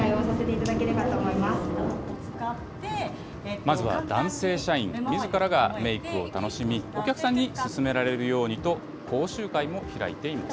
まずは男性社員みずからがメークを楽しみ、お客さんに勧められるようにと講習会も開いています。